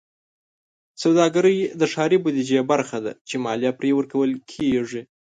سوداګرۍ د ښاري بودیجې برخه ده چې مالیه پرې ورکول کېږي.